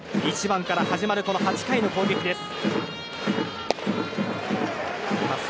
１番から始まる８回の攻撃です。